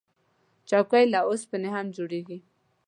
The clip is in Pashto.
چوکۍ له اوسپنې هم جوړیږي.